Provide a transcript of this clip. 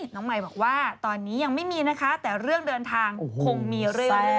น้องมายบอกว่าตอนนี้ยังไม่มีนะคะแต่เรื่องเดินทางคงมีเรื่อย